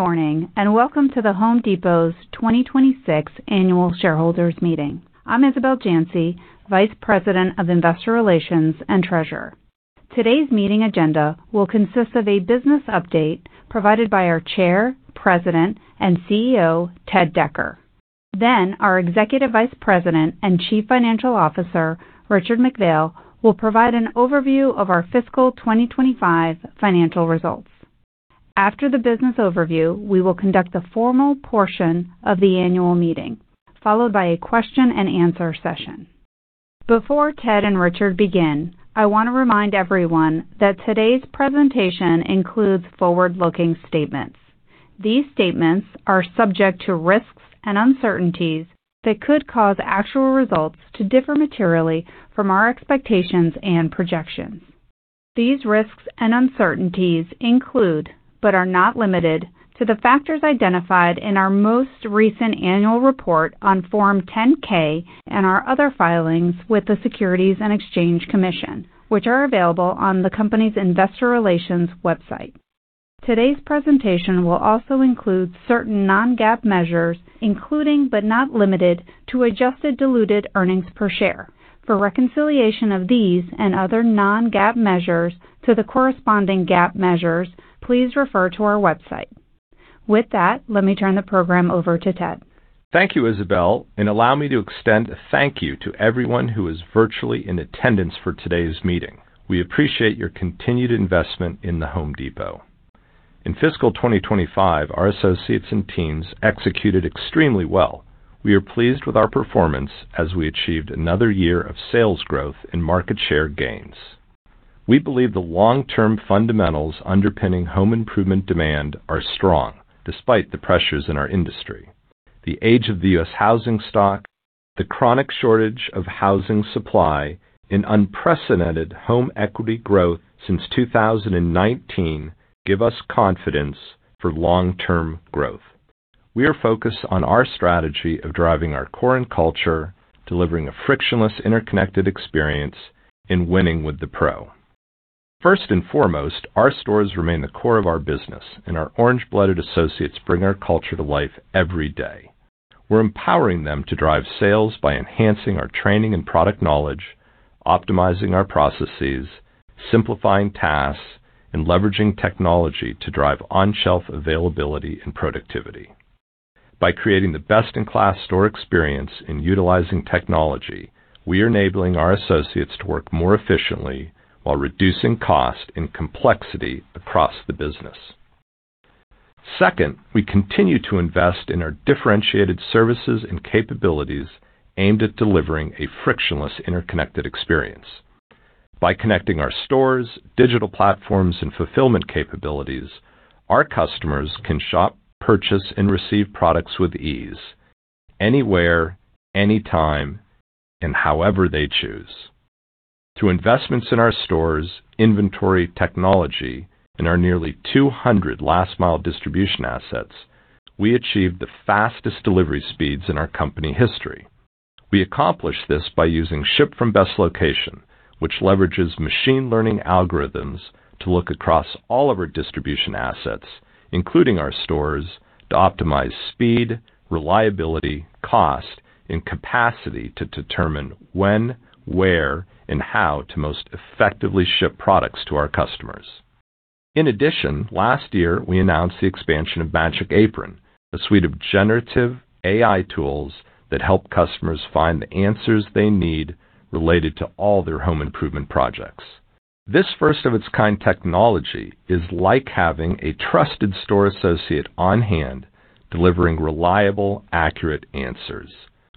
Good morning. Welcome to The Home Depot's 2026 Annual Shareholders Meeting. I'm Isabel Janci, Vice President of Investor Relations and Treasurer. Today's meeting agenda will consist of a business update provided by our Chair, President, and CEO, Ted Decker. Our Executive Vice President and Chief Financial Officer, Richard McPhail, will provide an overview of our fiscal 2025 financial results. After the business overview, we will conduct the formal portion of the annual meeting, followed by a question and answer session. Before Ted and Richard begin, I want to remind everyone that today's presentation includes forward-looking statements. These statements are subject to risks and uncertainties that could cause actual results to differ materially from our expectations and projections. These risks and uncertainties include, but are not limited to, the factors identified in our most recent annual report on Form 10-K and our other filings with the Securities and Exchange Commission, which are available on the company's Investor Relations website. Today's presentation will also include certain non-GAAP measures, including, but not limited to, adjusted diluted earnings per share. For reconciliation of these and other non-GAAP measures to the corresponding GAAP measures, please refer to our website. With that, let me turn the program over to Ted. Thank you, Isabel, and allow me to extend a thank you to everyone who is virtually in attendance for today's meeting. We appreciate your continued investment in The Home Depot. In fiscal 2025, our associates and teams executed extremely well. We are pleased with our performance as we achieved another year of sales growth and market share gains. We believe the long-term fundamentals underpinning home improvement demand are strong, despite the pressures in our industry. The age of the U.S. housing stock, the chronic shortage of housing supply, and unprecedented home equity growth since 2019 give us confidence for long-term growth. We are focused on our strategy of driving our core and culture, delivering a frictionless, interconnected experience, and winning with the pro. First and foremost, our stores remain the core of our business, and our orange-blooded associates bring our culture to life every day. We're empowering them to drive sales by enhancing our training and product knowledge, optimizing our processes, simplifying tasks, and leveraging technology to drive on-shelf availability and productivity. By creating the best-in-class store experience in utilizing technology, we are enabling our associates to work more efficiently while reducing cost and complexity across the business. Second, we continue to invest in our differentiated services and capabilities aimed at delivering a frictionless, interconnected experience. By connecting our stores, digital platforms, and fulfillment capabilities, our customers can shop, purchase, and receive products with ease anywhere, anytime, and however they choose. Through investments in our stores, inventory technology, and our nearly 200 last-mile distribution assets, we achieved the fastest delivery speeds in our company history. We accomplished this by using ship from best location, which leverages machine learning algorithms to look across all of our distribution assets, including our stores, to optimize speed, reliability, cost, and capacity to determine when, where, and how to most effectively ship products to our customers. In addition, last year, we announced the expansion of Magic Apron, a suite of generative AI tools that help customers find the answers they need related to all their home improvement projects. This first-of-its-kind technology is like having a trusted store associate on hand delivering reliable, accurate answers.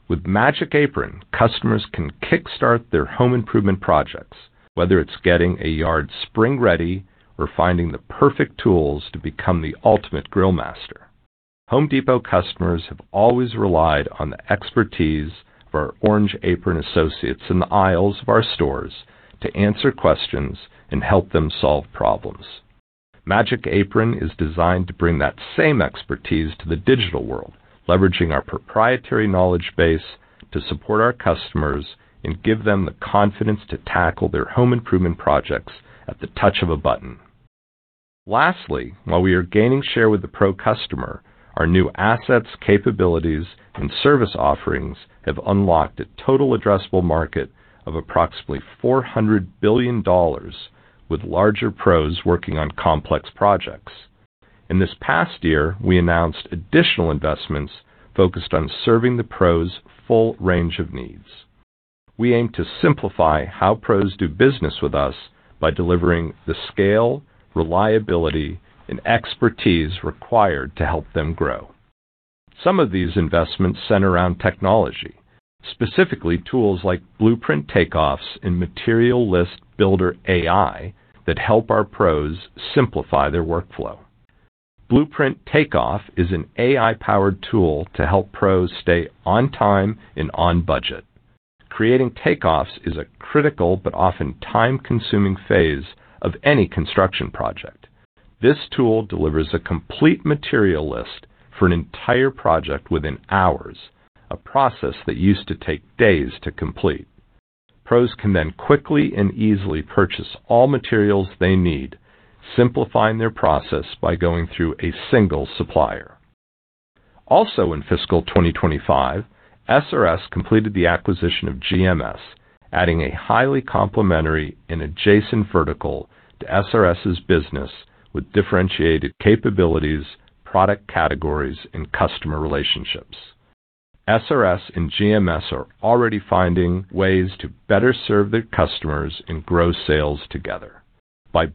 With Magic Apron, customers can kickstart their home improvement projects, whether it's getting a yard spring-ready or finding the perfect tools to become the ultimate grill master. Home Depot customers have always relied on the expertise of our Orange Apron associates in the aisles of our stores to answer questions and help them solve problems. Magic Apron is designed to bring that same expertise to the digital world, leveraging our proprietary knowledge base to support our customers and give them the confidence to tackle their home improvement projects at the touch of a button. While we are gaining share with the pro customer, our new assets, capabilities, and service offerings have unlocked a total addressable market of approximately $400 billion with larger pros working on complex projects. In this past year, we announced additional investments focused on serving the pros' full range of needs. We aim to simplify how pros do business with us by delivering the scale, reliability, and expertise required to help them grow. Some of these investments center around technology, specifically tools like Blueprint Takeoffs and Material List Builder AI that help our pros simplify their workflow. Blueprint Takeoffs is an AI-powered tool to help pros stay on time and on budget. Creating takeoffs is a critical but often time-consuming phase of any construction project. This tool delivers a complete material list for an entire project within hours, a process that used to take days to complete. Pros can then quickly and easily purchase all materials they need, simplifying their process by going through a single supplier. In fiscal 2025, SRS completed the acquisition of GMS, adding a highly complementary and adjacent vertical to SRS' business with differentiated capabilities, product categories, and customer relationships. SRS and GMS are already finding ways to better serve their customers and grow sales together.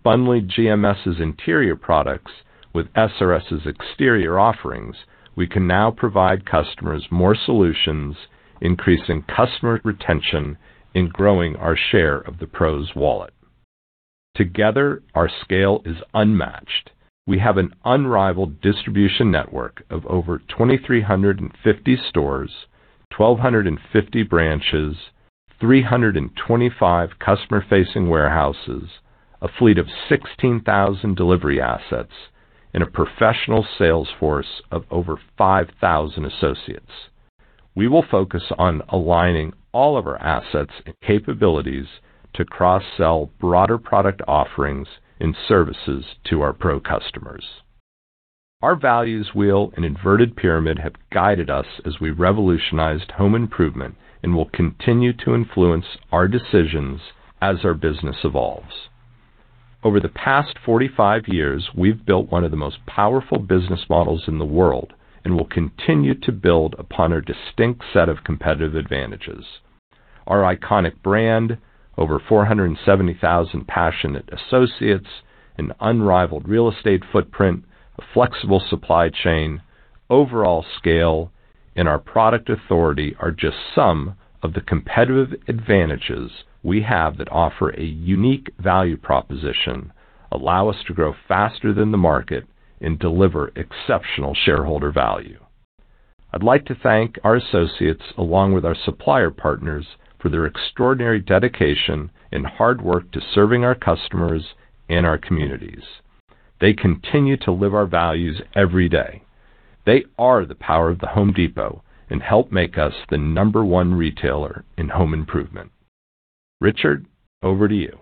Bundling GMS' interior products with SRS' exterior offerings, we can now provide customers more solutions, increasing customer retention and growing our share of the pros wallet. Together, our scale is unmatched. We have an unrivaled distribution network of over 2,350 stores, 1,250 branches, 325 customer-facing warehouses, a fleet of 16,000 delivery assets, and a professional sales force of over 5,000 associates. We will focus on aligning all of our assets and capabilities to cross-sell broader product offerings and services to our pro customers. Our values wheel and inverted pyramid have guided us as we revolutionized home improvement and will continue to influence our decisions as our business evolves. Over the past 45 years, we've built one of the most powerful business models in the world and will continue to build upon our distinct set of competitive advantages. Our iconic brand, over 470,000 passionate associates, an unrivaled real estate footprint, a flexible supply chain, overall scale, and our product authority are just some of the competitive advantages we have that offer a unique value proposition, allow us to grow faster than the market, and deliver exceptional shareholder value. I'd like to thank our associates along with our supplier partners for their extraordinary dedication and hard work to serving our customers and our communities. They continue to live our values every day. They are the power of The Home Depot and help make us the number one retailer in home improvement. Richard, over to you.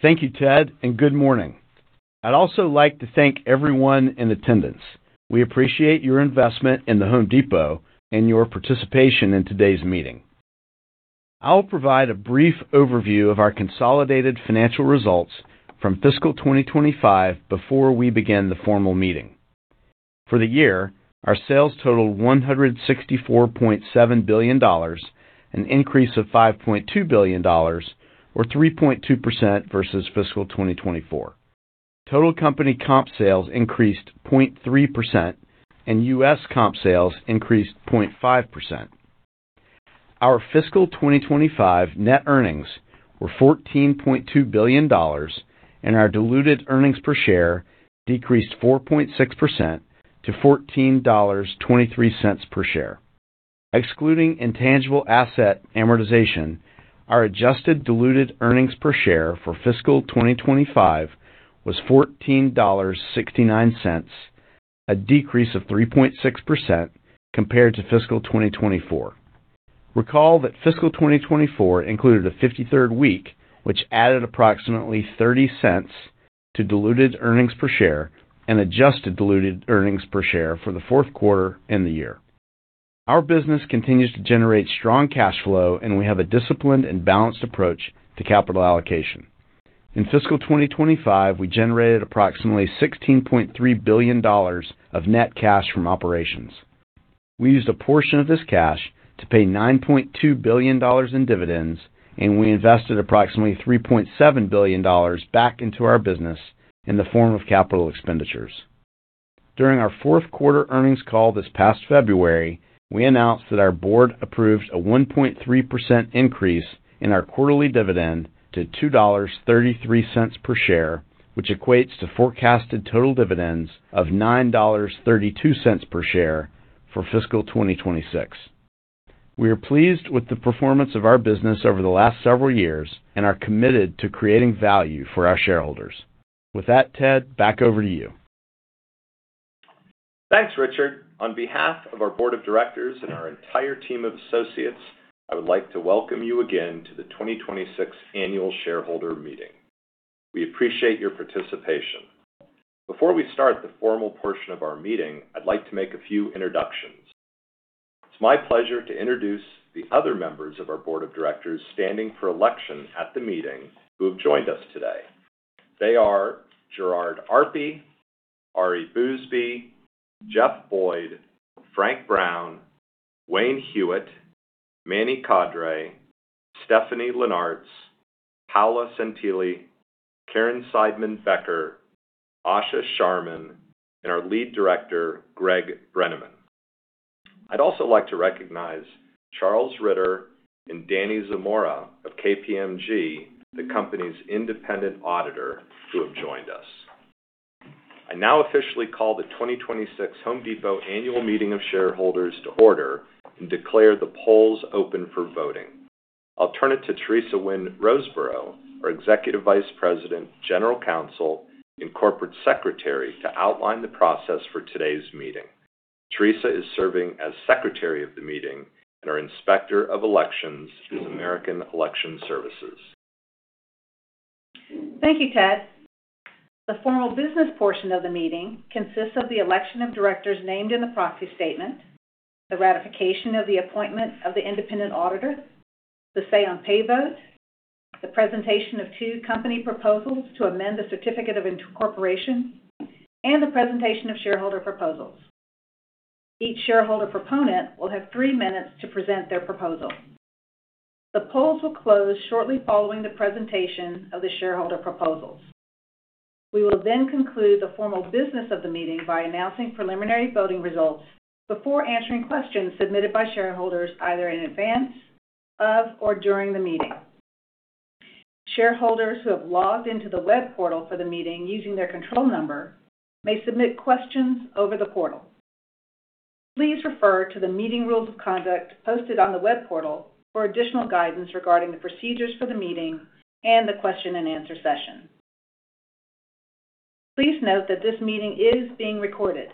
Thank you, Ted, and good morning. I'd also like to thank everyone in attendance. We appreciate your investment in The Home Depot and your participation in today's meeting. I will provide a brief overview of our consolidated financial results from fiscal 2025 before we begin the formal meeting. For the year, our sales totaled $164.7 billion, an increase of $5.2 billion or 3.2% versus fiscal 2024. Total company comp sales increased 0.3% and U.S. comp sales increased 0.5%. Our fiscal 2025 net earnings were $14.2 billion, and our diluted earnings per share decreased 4.6% to $14.23 per share. Excluding intangible asset amortization, our adjusted diluted earnings per share for fiscal 2025 was $14.69, a decrease of 3.6% compared to fiscal 2024. Recall that fiscal 2024 included a 53rd week, which added approximately $0.30 to diluted earnings per share and adjusted diluted earnings per share for the fourth quarter and the year. Our business continues to generate strong cash flow, and we have a disciplined and balanced approach to capital allocation. In fiscal 2025, we generated approximately $16.3 billion of net cash from operations. We used a portion of this cash to pay $9.2 billion in dividends, and we invested approximately $3.7 billion back into our business in the form of capital expenditures. During our fourth quarter earnings call this past February, we announced that our board approved a 1.3% increase in our quarterly dividend to $2.33 per share, which equates to forecasted total dividends of $9.32 per share for fiscal 2026. We are pleased with the performance of our business over the last several years and are committed to creating value for our shareholders. With that, Ted, back over to you. Thanks, Richard. On behalf of our Board of Directors and our entire team of associates, I would like to welcome you again to the 2026 Annual Shareholder Meeting. We appreciate your participation. Before we start the formal portion of our meeting, I'd like to make a few introductions. It's my pleasure to introduce the other members of our Board of Directors standing for election at the meeting who have joined us today. They are Gerard Arpey, Ari Bousbib, Jeff Boyd, Frank Brown, Wayne Hewett, Manny Kadre, Stephanie Linnartz, Paula Santilli, Caryn Seidman-Becker, Asha Sharma, and our lead director, Greg Brenneman. I'd also like to recognize Charles Ritter and Danny Zamora of KPMG, the company's independent auditor, who have joined us. I now officially call the 2026 Home Depot Annual Meeting of Shareholders to order and declare the polls open for voting. I'll turn it to Teresa Wynn Roseborough, our Executive Vice President, General Counsel, and Corporate Secretary, to outline the process for today's meeting. Teresa is serving as secretary of the meeting, and our Inspector of Elections is American Election Services. Thank you, Ted. The formal business portion of the meeting consists of the election of directors named in the proxy statement, the ratification of the appointment of the independent auditor, the say on pay vote, the presentation of two company proposals to amend the certificate of incorporation, and the presentation of shareholder proposals. Each shareholder proponent will have three minutes to present their proposal. The polls will close shortly following the presentation of the shareholder proposals. We will conclude the formal business of the meeting by announcing preliminary voting results before answering questions submitted by shareholders either in advance of or during the meeting. Shareholders who have logged into the web portal for the meeting using their control number may submit questions over the portal. Please refer to the meeting rules of conduct posted on the web portal for additional guidance regarding the procedures for the meeting and the question-and-answer session. Please note that this meeting is being recorded.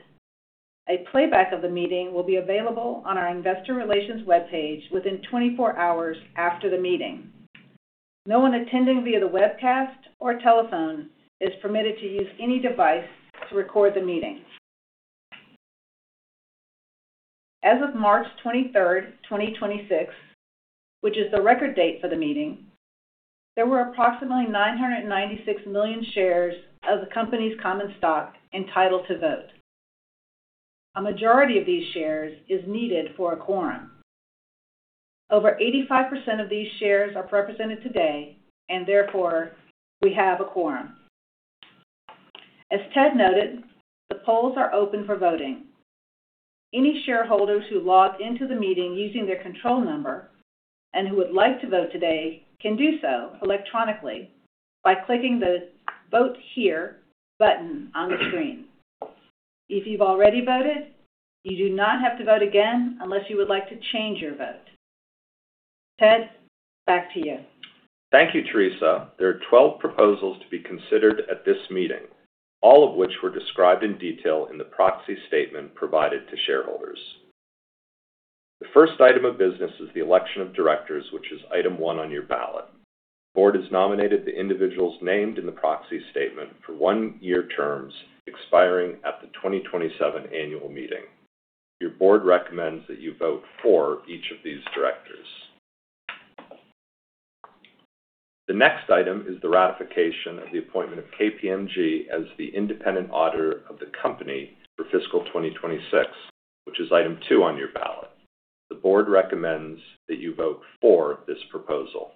A playback of the meeting will be available on our Investor Relations webpage within 24 hours after the meeting. No one attending via the webcast or telephone is permitted to use any device to record the meeting. As of March 23rd, 2026, which is the record date for the meeting, there were approximately 996 million shares of the company's common stock entitled to vote. A majority of these shares is needed for a quorum. Over 85% of these shares are represented today and therefore we have a quorum. As Ted noted, the polls are open for voting. Any shareholders who log into the meeting using their control number and who would like to vote today can do so electronically by clicking the vote here button on the screen. If you've already voted, you do not have to vote again unless you would like to change your vote. Ted, back to you. Thank you, Teresa. There are 12 proposals to be considered at this meeting, all of which were described in detail in the proxy statement provided to shareholders. The first item of business is the election of directors, which is item one on your ballot. The board has nominated the individuals named in the proxy statement for one year terms expiring at the 2027 annual meeting. Your board recommends that you vote for each of these directors. The next item is the ratification of the appointment of KPMG as the independent auditor of the company for fiscal 2026, which is item two on your ballot. The board recommends that you vote for this proposal.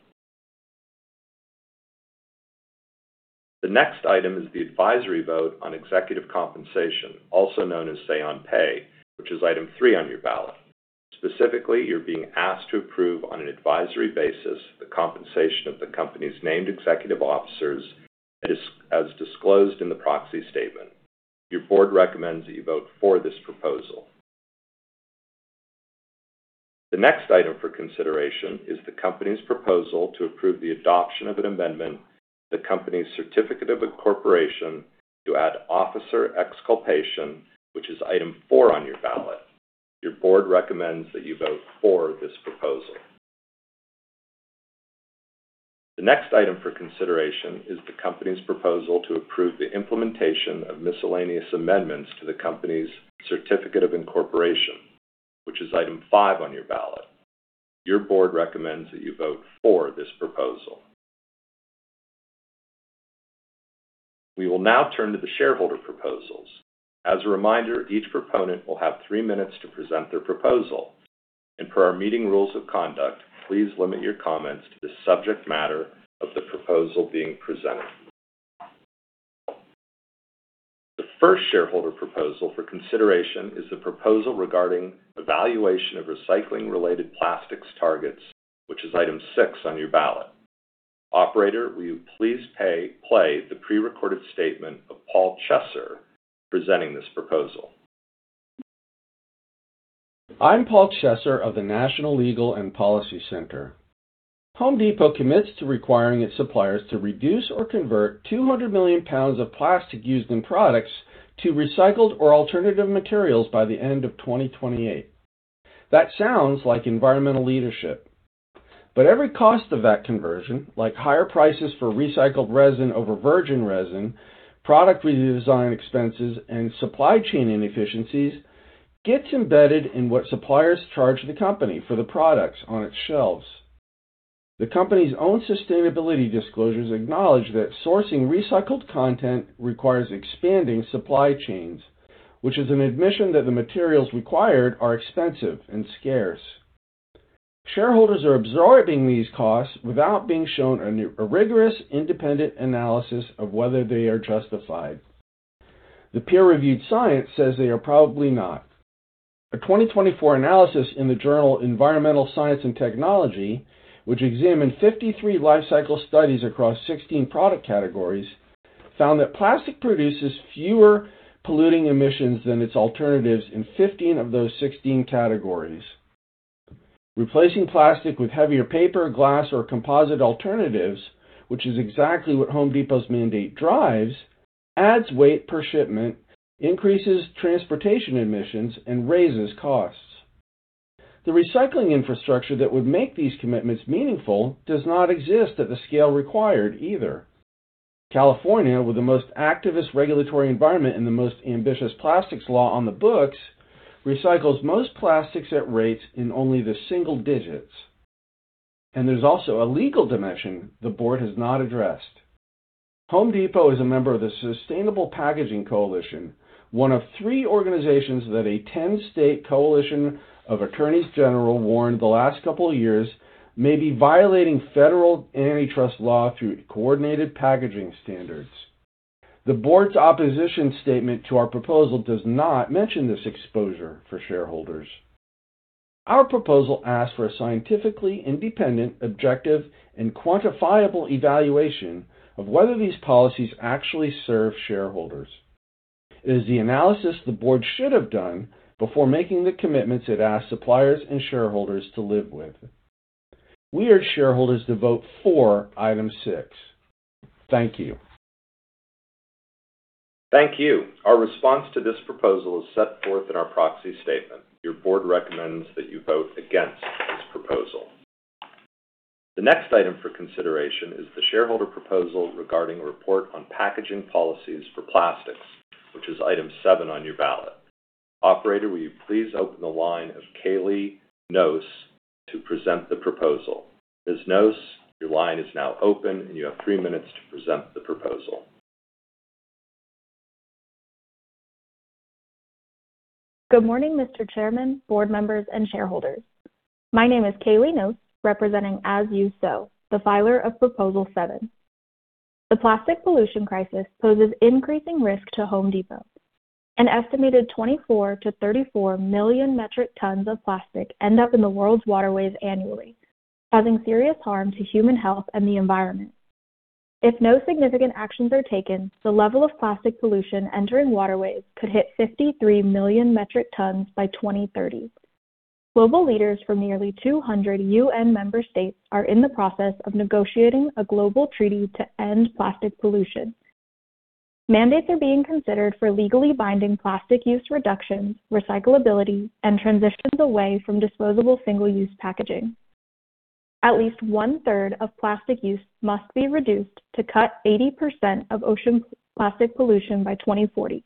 The next item is the advisory vote on executive compensation, also known as say on pay, which is item three on your ballot. Specifically, you're being asked to approve on an advisory basis the compensation of the company's named executive officers as disclosed in the proxy statement. Your board recommends that you vote for this proposal. The next item for consideration is the company's proposal to approve the adoption of an amendment to the company's certificate of incorporation to add officer exculpation, which is item four on your ballot. Your board recommends that you vote for this proposal. The next item for consideration is the company's proposal to approve the implementation of miscellaneous amendments to the company's certificate of incorporation, which is item five on your ballot. Your board recommends that you vote for this proposal. We will now turn to the shareholder proposals. As a reminder, each proponent will have three minutes to present their proposal. Per our meeting rules of conduct, please limit your comments to the subject matter of the proposal being presented. The first shareholder proposal for consideration is the proposal regarding evaluation of recycling-related plastics targets, which is item six on your ballot. Operator, will you please play the pre-recorded statement of Paul Chesser presenting this proposal. I'm Paul Chesser of the National Legal and Policy Center. Home Depot commits to requiring its suppliers to reduce or convert 200 million pounds of plastic used in products to recycled or alternative materials by the end of 2028. Every cost of that conversion, like higher prices for recycled resin over virgin resin, product redesign expenses, and supply chain inefficiencies, gets embedded in what suppliers charge the company for the products on its shelves. The company's own sustainability disclosures acknowledge that sourcing recycled content requires expanding supply chains, which is an admission that the materials required are expensive and scarce. Shareholders are absorbing these costs without being shown a rigorous independent analysis of whether they are justified. The peer-reviewed science says they are probably not. A 2024 analysis in the journal Environmental Science & Technology, which examined 53 life cycle studies across 16 product categories, found that plastic produces fewer polluting emissions than its alternatives in 15 of those 16 categories. Replacing plastic with heavier paper, glass or composite alternatives, which is exactly what Home Depot's mandate drives, adds weight per shipment, increases transportation emissions, and raises costs. The recycling infrastructure that would make these commitments meaningful does not exist at the scale required either. California, with the most activist regulatory environment and the most ambitious plastics law on the books, recycles most plastics at rates in only the single-digits. There's also a legal dimension the board has not addressed. Home Depot is a member of the Sustainable Packaging Coalition, one of three organizations that a 10 state coalition of attorneys general warned the last couple of years may be violating federal antitrust law through coordinated packaging standards. The Board's opposition statement to our proposal does not mention this exposure for shareholders. Our proposal asks for a scientifically independent, objective, and quantifiable evaluation of whether these policies actually serve shareholders. It is the analysis the Board should have done before making the commitments it asked suppliers and shareholders to live with. We urge shareholders to vote for item six. Thank you. Thank you. Our response to this proposal is set forth in our proxy statement. Your board recommends that you vote against this proposal. The next item for consideration is the shareholder proposal regarding a report on packaging policies for plastics, which is item seven on your ballot. Operator, will you please open the line of Kaylee Knose to present the proposal. Ms. Knose, your line is now open, and you have three minutes to present the proposal. Good morning, Mr. Chairman, board members, and shareholders. My name is Kaylee Knose, representing As You Sow, the filer of proposal seven. The plastic pollution crisis poses increasing risk to Home Depot. An estimated 24 million metric tons-34 million metric tons of plastic end up in the world's waterways annually, causing serious harm to human health and the environment. If no significant actions are taken, the level of plastic pollution entering waterways could hit 53 million metric tons by 2030. Global leaders from nearly 200 UN member states are in the process of negotiating a global treaty to end plastic pollution. Mandates are being considered for legally binding plastic use reductions, recyclability, and transitions away from disposable single-use packaging. At least 1/3 of plastic use must be reduced to cut 80% of ocean plastic pollution by 2040,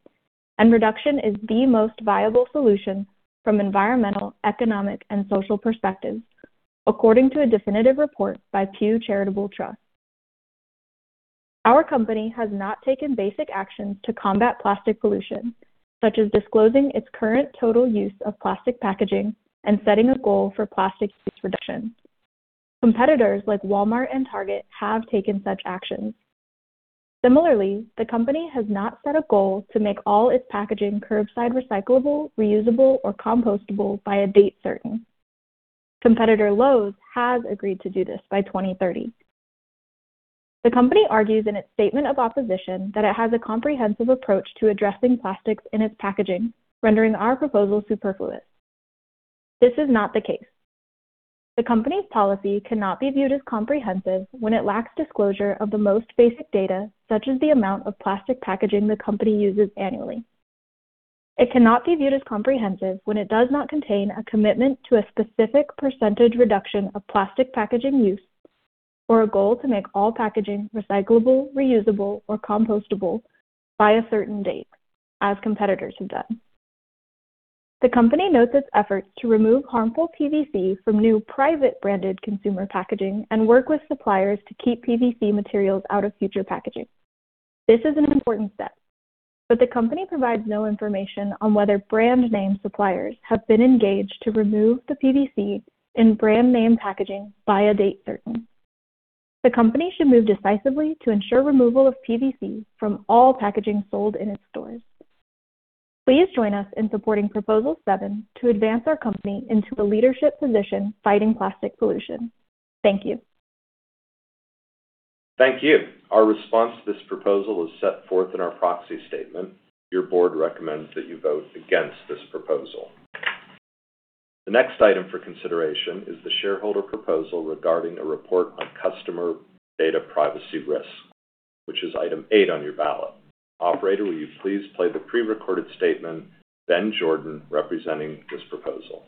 and reduction is the most viable solution from environmental, economic, and social perspectives, according to a definitive report by Pew Charitable Trusts. Our company has not taken basic actions to combat plastic pollution, such as disclosing its current total use of plastic packaging and setting a goal for plastic use reduction. Competitors like Walmart and Target have taken such actions. Similarly, the company has not set a goal to make all its packaging curbside recyclable, reusable or compostable by a date certain. Competitor Lowe's has agreed to do this by 2030. The company argues in its statement of opposition that it has a comprehensive approach to addressing plastics in its packaging, rendering our proposal superfluous. This is not the case. The company's policy cannot be viewed as comprehensive when it lacks disclosure of the most basic data, such as the amount of plastic packaging the company uses annually. It cannot be viewed as comprehensive when it does not contain a commitment to a specific percentage reduction of plastic packaging use or a goal to make all packaging recyclable, reusable or compostable by a certain date, as competitors have done. The company notes its efforts to remove harmful PVC from new private branded consumer packaging and work with suppliers to keep PVC materials out of future packaging. This is an important step, but the company provides no information on whether brand name suppliers have been engaged to remove the PVC in brand name packaging by a date certain. The company should move decisively to ensure removal of PVC from all packaging sold in its stores. Please join us in supporting proposal seven to advance our company into a leadership position fighting plastic pollution. Thank you. Thank you. Our response to this proposal is set forth in our proxy statement. Your board recommends that you vote against this proposal. The next item for consideration is the shareholder proposal regarding a report on customer data privacy risk, which is item eight on your ballot. Operator, will you please play the pre-recorded statement, Ben Jordan, representing this proposal.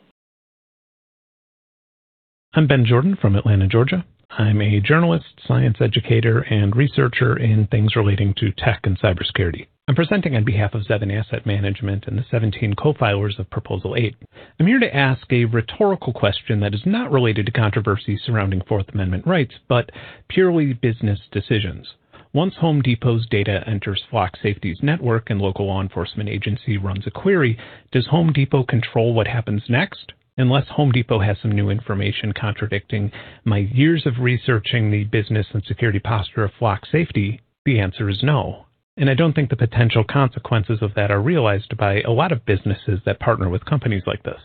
I'm Ben Jordan from Atlanta, Georgia. I'm a journalist, science educator, and researcher in things relating to tech and cybersecurity. I'm presenting on behalf of Zevin Asset Management and the 17 co-filers of proposal eight. I'm here to ask a rhetorical question that is not related to controversies surrounding Fourth Amendment rights, but purely business decisions. Once Home Depot's data enters Flock Safety's network and local law enforcement agency runs a query, does Home Depot control what happens next? Unless Home Depot has some new information contradicting my years of researching the business and security posture of Flock Safety, the answer is no. I don't think the potential consequences of that are realized by a lot of businesses that partner with companies like this.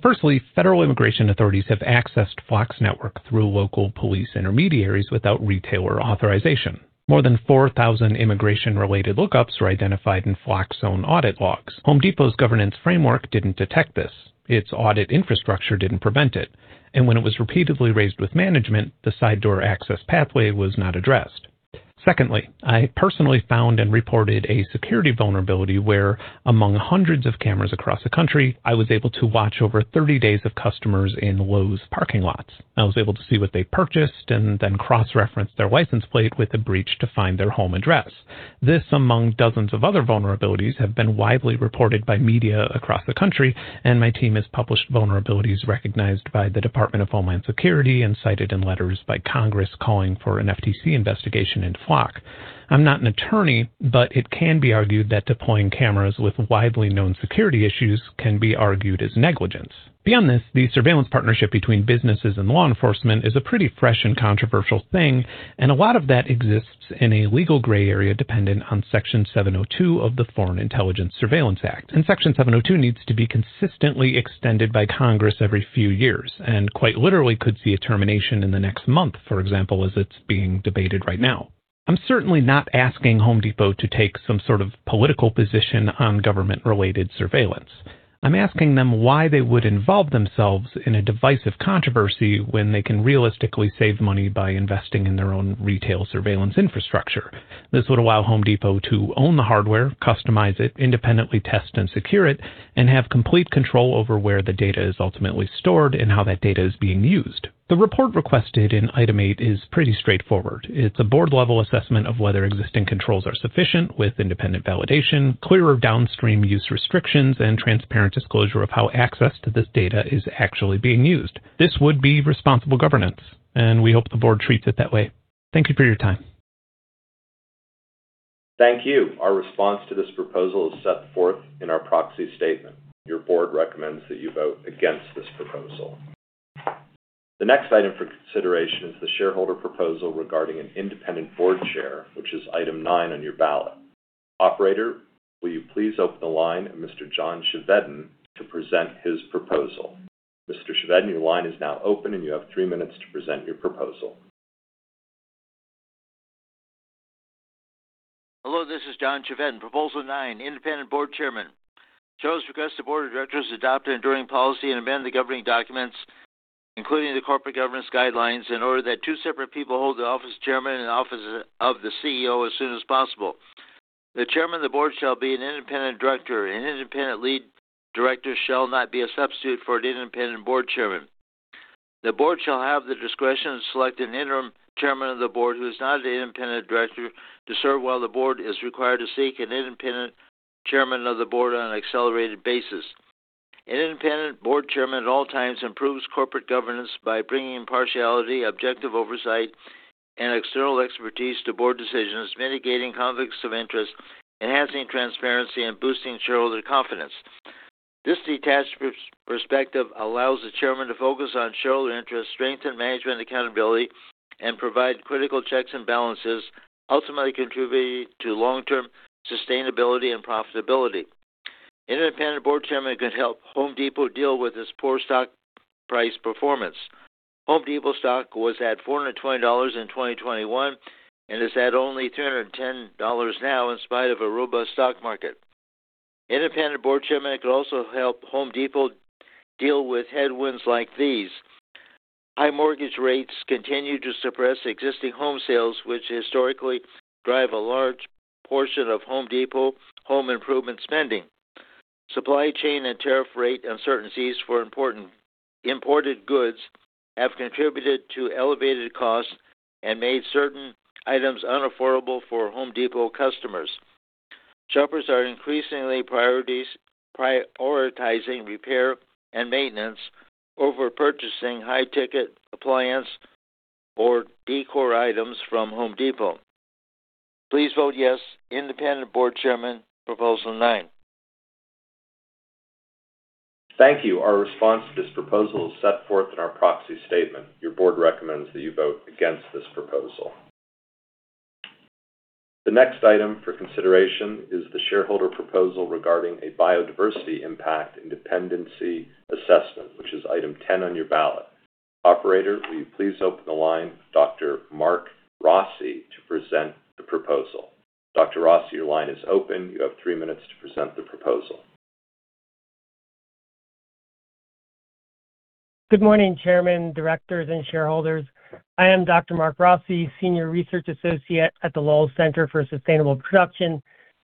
Firstly, federal immigration authorities have accessed Flock's network through local police intermediaries without retailer authorization. More than 4,000 immigration-related lookups were identified in Flock's own audit logs. Home Depot's governance framework didn't detect this. Its audit infrastructure didn't prevent it. When it was repeatedly raised with management, the side door access pathway was not addressed. Secondly, I personally found and reported a security vulnerability where, among hundreds of cameras across the country, I was able to watch over 30 days of customers in Lowe's parking lots. I was able to see what they purchased and then cross-reference their license plate with the breach to find their home address. This, among dozens of other vulnerabilities, have been widely reported by media across the country, and my team has published vulnerabilities recognized by the Department of Homeland Security and cited in letters by Congress calling for an FTC investigation into Flock. I'm not an attorney. It can be argued that deploying cameras with widely known security issues can be argued as negligence. Beyond this, the surveillance partnership between businesses and law enforcement is a pretty fresh and controversial thing. A lot of that exists in a legal gray area dependent on Section 702 of the Foreign Intelligence Surveillance Act. Section 702 needs to be consistently extended by Congress every few years, and quite literally could see a termination in the next month, for example, as it's being debated right now. I'm certainly not asking Home Depot to take some sort of political position on government-related surveillance. I'm asking them why they would involve themselves in a divisive controversy when they can realistically save money by investing in their own retail surveillance infrastructure. This would allow Home Depot to own the hardware, customize it, independently test and secure it, and have complete control over where the data is ultimately stored and how that data is being used. The report requested in item eight is pretty straightforward. It's a board-level assessment of whether existing controls are sufficient with independent validation, clear of downstream use restrictions, and transparent disclosure of how access to this data is actually being used. This would be responsible governance, and we hope the board treats it that way. Thank you for your time. Thank you. Our response to this proposal is set forth in our proxy statement. Your board recommends that you vote against this proposal. The next item for consideration is the shareholder proposal regarding an independent board chair, which is item nine on your ballot. Operator, will you please open the line of Mr. John Chevedden to present his proposal. Mr. Chevedden, your line is now open, and you have three minutes to present your proposal. Hello, this is John Chevedden, proposal nine, independent board chairman. Shares request the Board of Directors adopt an enduring policy and amend the governing documents, including the corporate governance guidelines, in order that two separate people hold the office of Chairman and the office of the CEO as soon as possible. The Chairman of the Board shall be an independent director. An independent lead director shall not be a substitute for an independent board chairman. The Board shall have the discretion to select an interim Chairman of the Board, who is not an independent director, to serve while the Board is required to seek an independent Chairman of the Board on an accelerated basis. An independent board chairman at all times improves corporate governance by bringing impartiality, objective oversight, and external expertise to board decisions, mitigating conflicts of interest, enhancing transparency, and boosting shareholder confidence. This detached perspective allows the chairman to focus on shareholder interest, strengthen management accountability, and provide critical checks and balances, ultimately contributing to long-term sustainability and profitability. Independent board chairman could help Home Depot deal with this poor stock price performance. Home Depot stock was at $420 in 2021 and is at only $310 now in spite of a robust stock market. Independent board chairman could also help Home Depot deal with headwinds like these. High mortgage rates continue to suppress existing home sales, which historically drive a large portion of Home Depot home improvement spending. Supply chain and tariff rate uncertainties for imported goods have contributed to elevated costs and made certain items unaffordable for Home Depot customers. Shoppers are increasingly prioritizing repair and maintenance over purchasing high-ticket appliance or decor items from Home Depot. Please vote yes, independent board chairman, proposal nine. Thank you. Our response to this proposal is set forth in our proxy statement. Your board recommends that you vote against this proposal. The next item for consideration is the shareholder proposal regarding a biodiversity impact and dependency assessment, which is item 10 on your ballot. Operator, will you please open the line for Dr. Mark Rossi to present the proposal. Dr. Rossi, your line is open. You have three minutes to present the proposal. Good morning, Chairman, directors, and shareholders. I am Dr. Mark Rossi, Senior Research Associate at the Lowell Center for Sustainable Production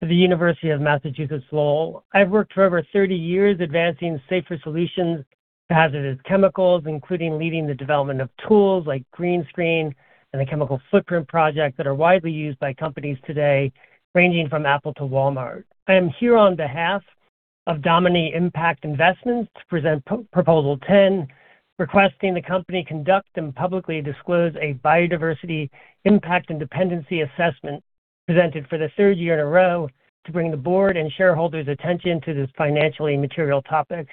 for the University of Massachusetts Lowell. I've worked for over 30 years advancing safer solutions to hazardous chemicals, including leading the development of tools like GreenScreen and the Chemical Footprint Project that are widely used by companies today, ranging from Apple to Walmart. I am here on behalf of Domini Impact Investments to present proposal 10, requesting the company conduct and publicly disclose a biodiversity impact and dependency assessment presented for the third year in a row to bring the Board and shareholders' attention to this financially material topic.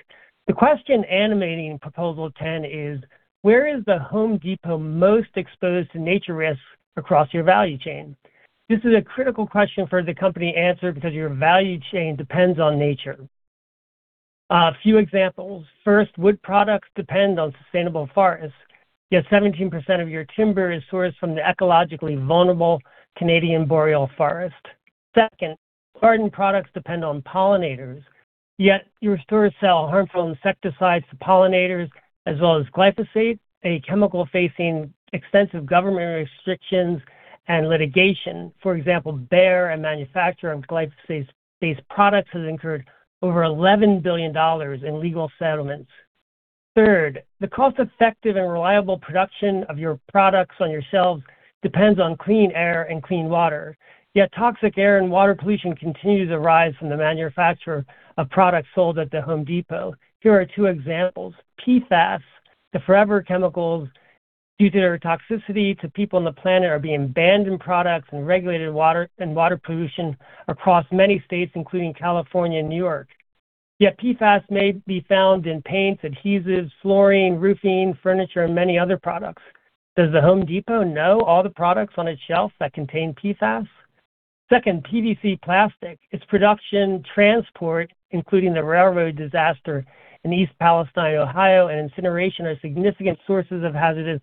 The question animating proposal 10 is, where is The Home Depot most exposed to nature risks across your value chain? This is a critical question for the company answer because your value chain depends on nature. A few examples. First, wood products depend on sustainable forests, yet 17% of your timber is sourced from the ecologically vulnerable Canadian boreal forest. Second, garden products depend on pollinators, yet your stores sell harmful insecticides to pollinators as well as glyphosate, a chemical facing extensive government restrictions and litigation. For example, Bayer, a manufacturer of glyphosate-based products, has incurred over $11 billion in legal settlements. Third, the cost-effective and reliable production of your products on your shelves depends on clean air and clean water, yet toxic air and water pollution continue to rise from the manufacture of products sold at The Home Depot. Here are two examples. PFAS, the forever chemicals, due to their toxicity to people on the planet, are being banned in products and regulated in water and water pollution across many states, including California and New York. Yet PFAS may be found in paints, adhesives, flooring, roofing, furniture, and many other products. Does The Home Depot know all the products on its shelf that contain PFAS? Second, PVC plastic. Its production, transport, including the railroad disaster in East Palestine, Ohio, and incineration are significant sources of hazardous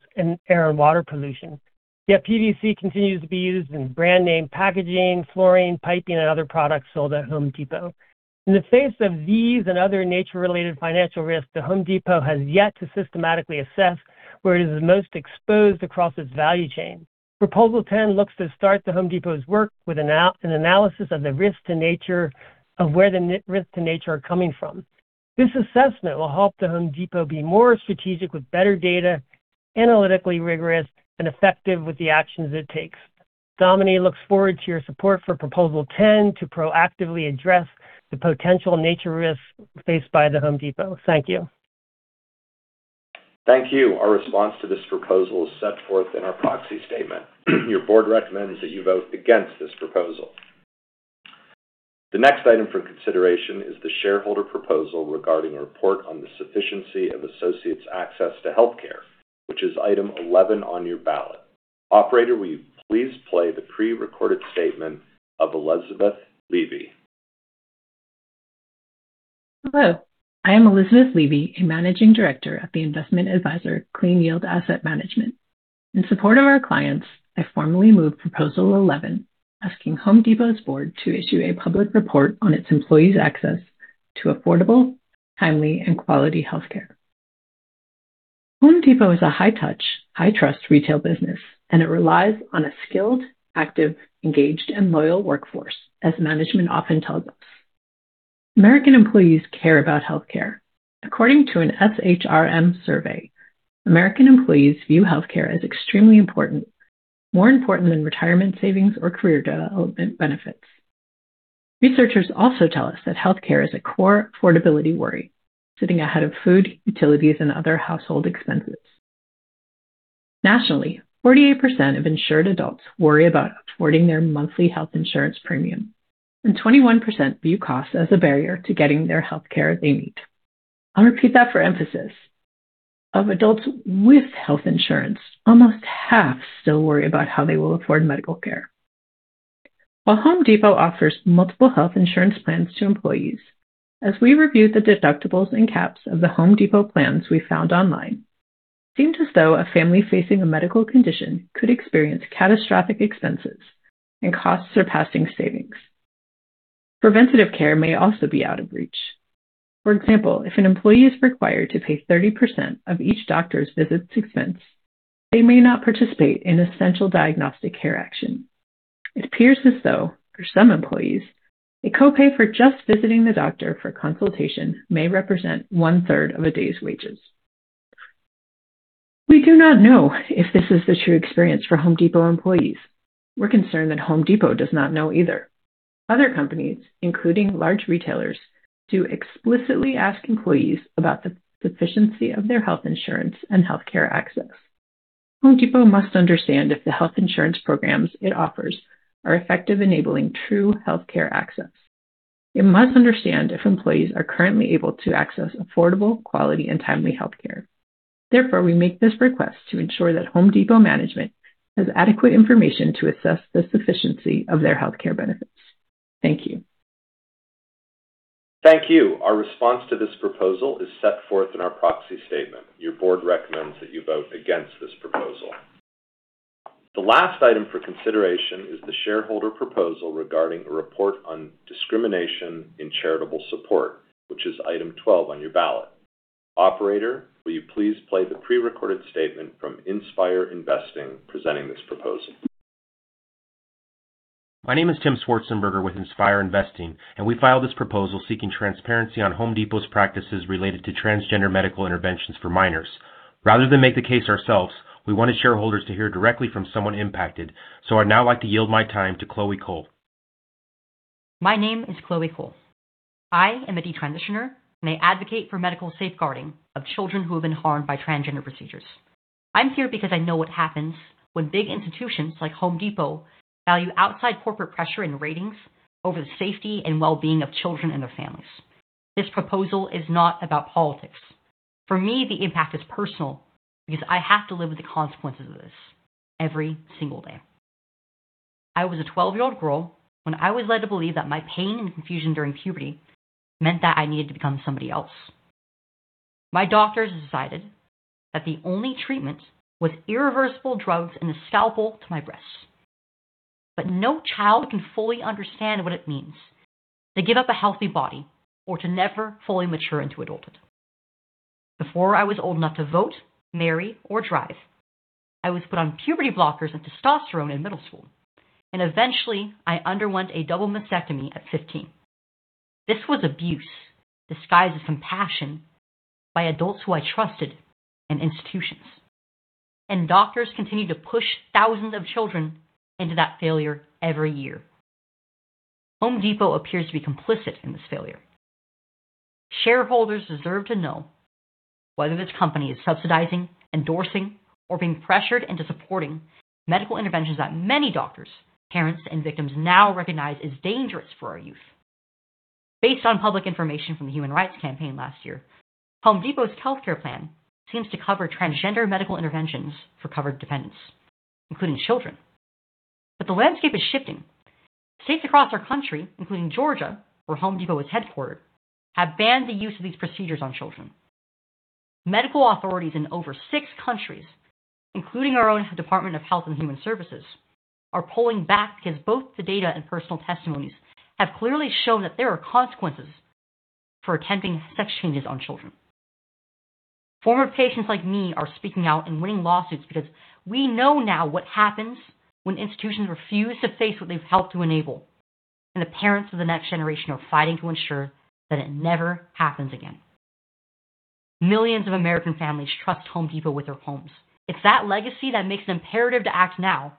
air and water pollution. Yet PVC continues to be used in brand name packaging, flooring, piping, and other products sold at Home Depot. In the face of these and other nature-related financial risks, The Home Depot has yet to systematically assess where it is most exposed across its value chain. Proposal 10 looks to start The Home Depot's work with an analysis of the risks to nature, of where the risks to nature are coming from. This assessment will help The Home Depot be more strategic with better data, analytically rigorous, and effective with the actions it takes. Domini looks forward to your support for proposal 10 to proactively address the potential nature risks faced by The Home Depot. Thank you. Thank you. Our response to this proposal is set forth in our proxy statement. Your board recommends that you vote against this proposal. The next item for consideration is the shareholder proposal regarding a report on the sufficiency of associates' access to healthcare, which is item 11 on your ballot. Operator, will you please play the pre-recorded statement of Elizabeth Levy. Hello, I am Elizabeth Levy, a Managing Director of the investment advisor, Clean Yield Asset Management. In support of our clients, I formally move proposal 11, asking Home Depot's board to issue a public report on its employees' access to affordable, timely, and quality healthcare. Home Depot is a high-touch, high-trust retail business, and it relies on a skilled, active, engaged, and loyal workforce, as management often tells us. American employees care about healthcare. According to an SHRM survey, American employees view healthcare as extremely important, more important than retirement savings or career development benefits. Researchers also tell us that healthcare is a core affordability worry, sitting ahead of food, utilities, and other household expenses. Nationally, 48% of insured adults worry about affording their monthly health insurance premium, and 21% view cost as a barrier to getting their healthcare they need. I'll repeat that for emphasis. Of adults with health insurance, almost half still worry about how they will afford medical care. While Home Depot offers multiple health insurance plans to employees, as we reviewed the deductibles and caps of The Home Depot plans we found online, it seemed as though a family facing a medical condition could experience catastrophic expenses and costs surpassing savings. Preventative care may also be out of reach. For example, if an employee is required to pay 30% of each doctor's visit expense, they may not participate in essential diagnostic care action. It appears as though for some employees, a copay for just visiting the doctor for consultation may represent 1/3 of a day's wages. We do not know if this is the true experience for Home Depot employees. We're concerned that Home Depot does not know either. Other companies, including large retailers, do explicitly ask employees about the sufficiency of their health insurance and healthcare access. Home Depot must understand if the health insurance programs it offers are effective enabling true healthcare access. It must understand if employees are currently able to access affordable, quality, and timely healthcare. Therefore, we make this request to ensure that Home Depot management has adequate information to assess the sufficiency of their healthcare benefits. Thank you. Thank you. Our response to this proposal is set forth in our proxy statement. Your board recommends that you vote against this proposal. The last item for consideration is the shareholder proposal regarding a report on discrimination in charitable support, which is item 12 on your ballot. Operator, will you please play the pre-recorded statement from Inspire Investing presenting this proposal? My name is Tim Schwarzenberger with Inspire Investing. We file this proposal seeking transparency on Home Depot's practices related to transgender medical interventions for minors. Rather than make the case ourselves, we wanted shareholders to hear directly from someone impacted, I'd now like to yield my time to Chloe Cole. My name is Chloe Cole. I am a detransitioner and I advocate for medical safeguarding of children who have been harmed by transgender procedures. I'm here because I know what happens when big institutions like Home Depot value outside corporate pressure and ratings over the safety and well-being of children and their families. This proposal is not about politics. For me, the impact is personal because I have to live with the consequences of this every single day. I was a 12 year old girl when I was led to believe that my pain and confusion during puberty meant that I needed to become somebody else. My doctors decided that the only treatment was irreversible drugs and a scalpel to my breasts. No child can fully understand what it means to give up a healthy body or to never fully mature into adulthood. Before I was old enough to vote, marry or drive, I was put on puberty blockers and testosterone in middle school, and eventually, I underwent a double mastectomy at 15. This was abuse disguised as compassion by adults who I trusted in institutions. Doctors continue to push thousands of children into that failure every year. Home Depot appears to be complicit in this failure. Shareholders deserve to know whether this company is subsidizing, endorsing or being pressured into supporting medical interventions that many doctors, parents, and victims now recognize as dangerous for our youth. Based on public information from the Human Rights Campaign last year, Home Depot's healthcare plan seems to cover transgender medical interventions for covered dependents, including children. The landscape is shifting. States across our country, including Georgia, where Home Depot is headquartered, have banned the use of these procedures on children. Medical authorities in over six countries, including our own Department of Health and Human Services, are pulling back because both the data and personal testimonies have clearly shown that there are consequences for attempting sex changes on children. Former patients like me are speaking out and winning lawsuits because we know now what happens when institutions refuse to face what they've helped to enable, and the parents of the next generation are fighting to ensure that it never happens again. Millions of American families trust Home Depot with their homes. It's that legacy that makes it imperative to act now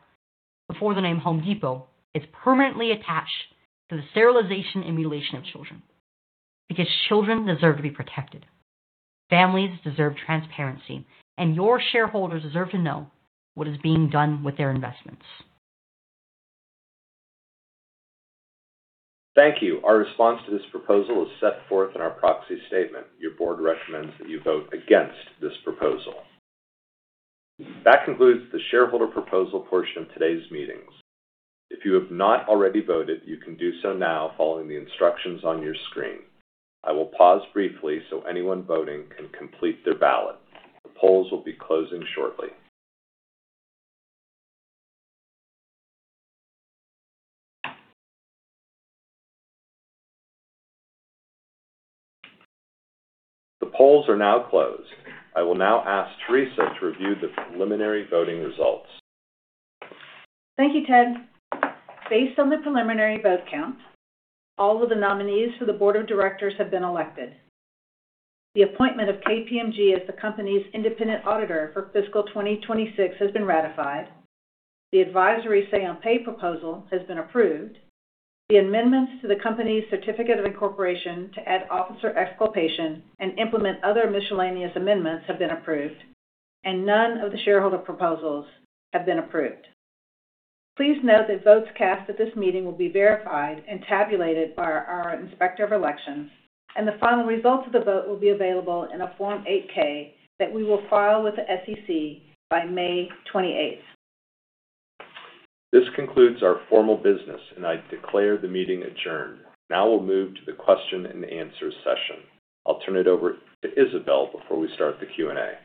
before the name Home Depot is permanently attached to the sterilization and mutilation of children. Children deserve to be protected, families deserve transparency, and your shareholders deserve to know what is being done with their investments. Thank you. Our response to this proposal is set forth in our proxy statement. Your board recommends that you vote against this proposal. That concludes the shareholder proposal portion of today's meetings. If you have not already voted, you can do so now following the instructions on your screen. I will pause briefly so anyone voting can complete their ballot. The polls will be closing shortly. The polls are now closed. I will now ask Teresa to review the preliminary voting results. Thank you, Ted. Based on the preliminary vote count, all of the nominees for the Board of Directors have been elected. The appointment of KPMG as the company's independent auditor for fiscal 2026 has been ratified. The advisory say on pay proposal has been approved. The amendments to the company's certificate of incorporation to add officer exculpation and implement other miscellaneous amendments have been approved, and none of the shareholder proposals have been approved. Please note that votes cast at this meeting will be verified and tabulated by our Inspector of Elections, and the final results of the vote will be available in a Form 8-K that we will file with the SEC by May 28th. This concludes our formal business, and I declare the meeting adjourned. Now we'll move to the question-and-answer session. I'll turn it over to Isabel before we start the Q&A.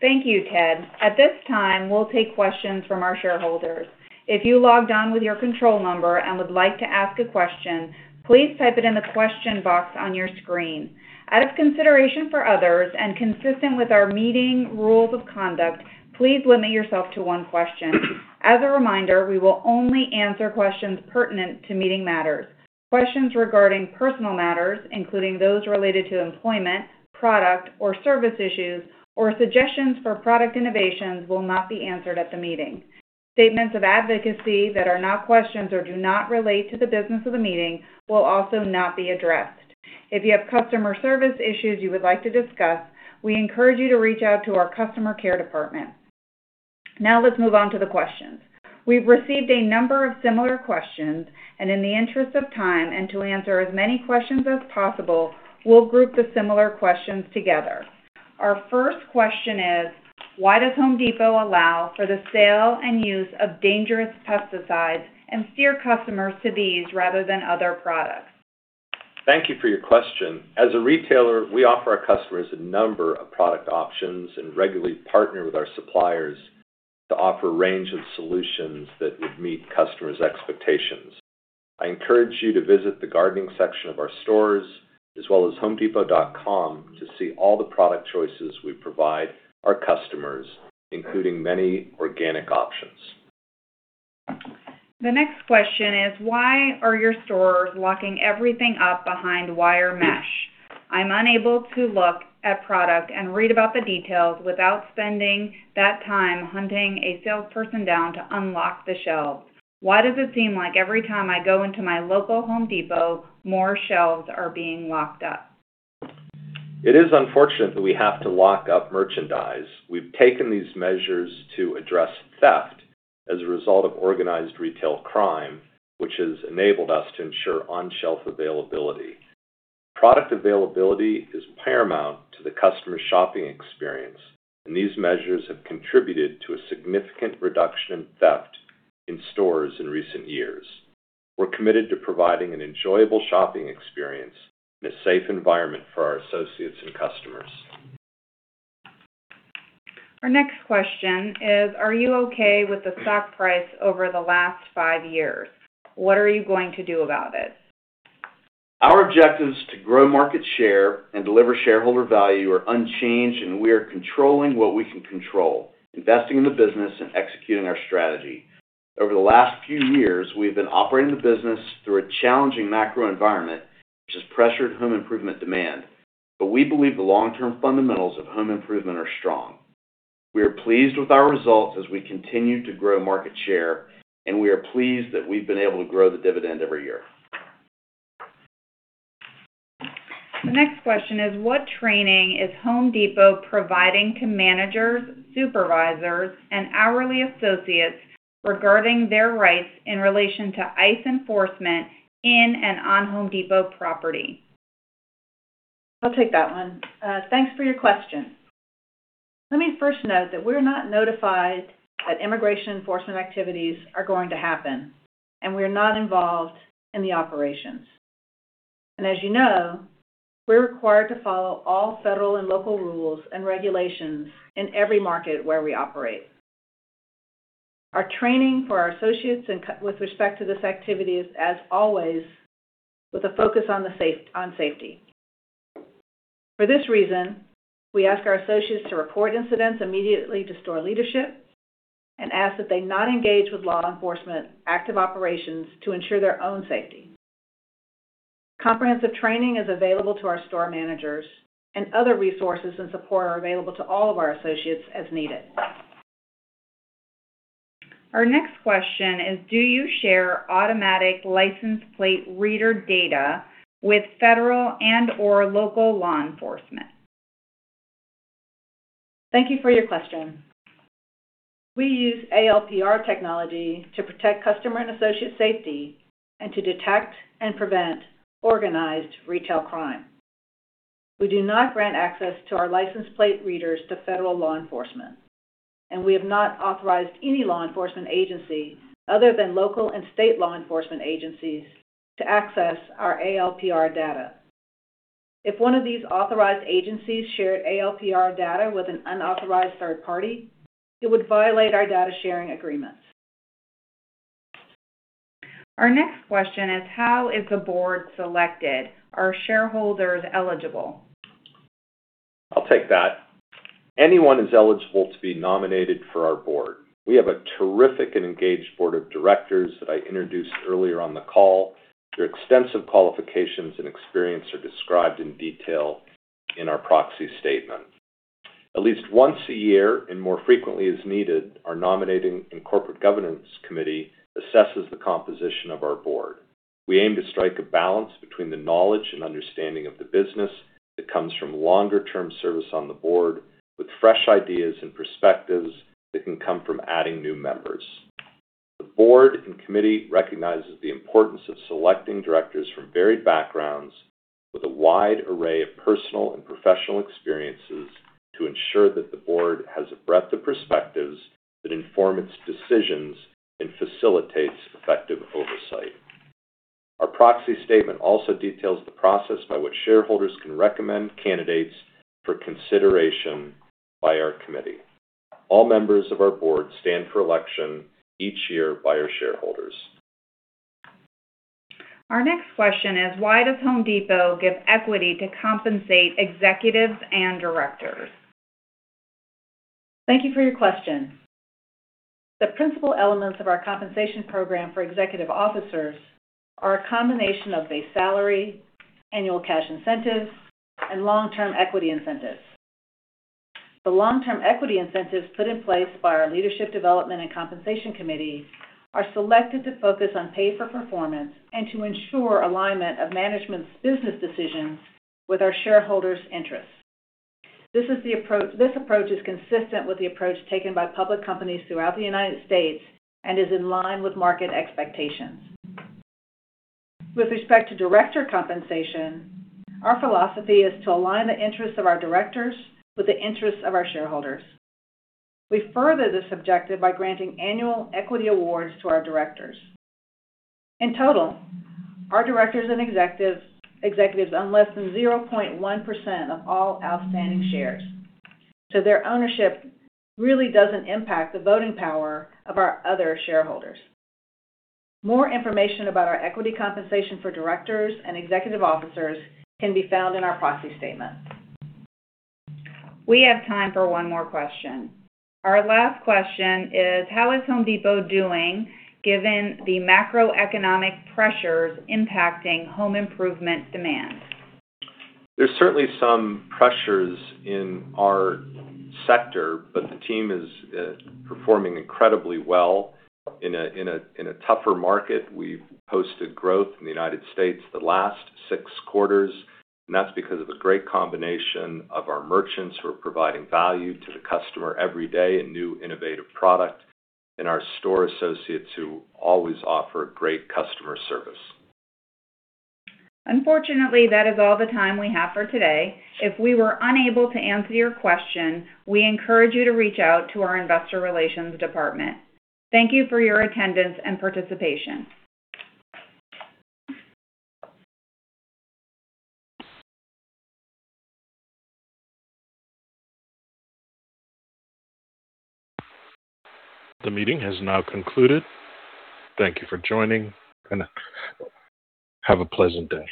Thank you, Ted. At this time, we'll take questions from our shareholders. If you logged on with your control number and would like to ask a question, please type it in the question box on your screen. Out of consideration for others and consistent with our meeting rules of conduct, please limit yourself to one question. As a reminder, we will only answer questions pertinent to meeting matters. Questions regarding personal matters, including those related to employment, product or service issues or suggestions for product innovations will not be answered at the meeting. Statements of advocacy that are not questions or do not relate to the business of the meeting will also not be addressed. If you have customer service issues you would like to discuss, we encourage you to reach out to our customer care department. Now let's move on to the questions. We've received a number of similar questions, and in the interest of time and to answer as many questions as possible, we'll group the similar questions together. Our first question is, why does Home Depot allow for the sale and use of dangerous pesticides and steer customers to these rather than other products? Thank you for your question. As a retailer, we offer our customers a number of product options and regularly partner with our suppliers to offer a range of solutions that would meet customers' expectations. I encourage you to visit the gardening section of our stores as well as homedepot.com to see all the product choices we provide our customers, including many organic options. The next question is, why are your stores locking everything up behind wire mesh? I'm unable to look at product and read about the details without spending that time hunting a salesperson down to unlock the shelves. Why does it seem like every time I go into my local Home Depot, more shelves are being locked up? It is unfortunate that we have to lock up merchandise. We've taken these measures to address theft as a result of organized retail crime, which has enabled us to ensure on-shelf availability. Product availability is paramount to the customer shopping experience, and these measures have contributed to a significant reduction in theft in stores in recent years. We're committed to providing an enjoyable shopping experience and a safe environment for our associates and customers. Our next question is, are you okay with the stock price over the last five years? What are you going to do about it? Our objectives to grow market share and deliver shareholder value are unchanged, and we are controlling what we can control, investing in the business and executing our strategy. Over the last few years, we have been operating the business through a challenging macro environment which has pressured home improvement demand. We believe the long-term fundamentals of home improvement are strong. We are pleased with our results as we continue to grow market share, and we are pleased that we've been able to grow the dividend every year. The next question is, what training is Home Depot providing to managers, supervisors, and hourly associates regarding their rights in relation to ICE enforcement in and on Home Depot property? I'll take that one. Thanks for your question. Let me first note that we're not notified that immigration enforcement activities are going to happen. We are not involved in the operations. As you know, we're required to follow all federal and local rules and regulations in every market where we operate. Our training for our associates with respect to this activity is, as always, with a focus on safety. For this reason, we ask our associates to report incidents immediately to store leadership and ask that they not engage with law enforcement active operations to ensure their own safety. Comprehensive training is available to our store managers. Other resources and support are available to all of our associates as needed. Our next question is, do you share automatic license plate reader data with federal and/or local law enforcement? Thank you for your question. We use ALPR technology to protect customer and associate safety and to detect and prevent organized retail crime. We do not grant access to our license plate readers to federal law enforcement, and we have not authorized any law enforcement agency other than local and state law enforcement agencies to access our ALPR data. If one of these authorized agencies shared ALPR data with an unauthorized third party, it would violate our data sharing agreements. Our next question is, how is the Board selected? Are shareholders eligible? I'll take that. Anyone is eligible to be nominated for our board. We have a terrific and engaged Board of Directors that I introduced earlier on the call. Their extensive qualifications and experience are described in detail in our proxy statement. At least once a year, and more frequently as needed, our Nominating and Corporate Governance Committee assesses the composition of our board. We aim to strike a balance between the knowledge and understanding of the business that comes from longer-term service on the Board with fresh ideas and perspectives that can come from adding new members. The Board and committee recognizes the importance of selecting directors from varied backgrounds with a wide array of personal and professional experiences to ensure that the Board has a breadth of perspectives that inform its decisions and facilitates effective oversight. Our proxy statement also details the process by which shareholders can recommend candidates for consideration by our committee. All members of our board stand for election each year by our shareholders. Our next question is, why does Home Depot give equity to compensate executives and directors? Thank you for your question. The principal elements of our compensation program for executive officers are a combination of base salary, annual cash incentives, and long-term equity incentives. The long-term equity incentives put in place by our Leadership Development and Compensation Committee are selected to focus on pay for performance and to ensure alignment of management's business decisions with our shareholders' interests. This approach is consistent with the approach taken by public companies throughout the U.S. and is in line with market expectations. With respect to director compensation, our philosophy is to align the interests of our directors with the interests of our shareholders. We further this objective by granting annual equity awards to our directors. In total, our directors and executives own less than 0.1% of all outstanding shares, so their ownership really doesn't impact the voting power of our other shareholders. More information about our equity compensation for directors and executive officers can be found in our proxy statement. We have time for one more question. Our last question is, how is Home Depot doing given the macroeconomic pressures impacting home improvement demand? There's certainly some pressures in our sector, but the team is performing incredibly well in a tougher market. We've posted growth in the United States the last six quarters, and that's because of a great combination of our merchants who are providing value to the customer every day and new innovative product and our store associates who always offer great customer service. Unfortunately, that is all the time we have for today. If we were unable to answer your question, we encourage you to reach out to our Investor Relations department. Thank you for your attendance and participation. The meeting has now concluded. Thank you for joining and have a pleasant day.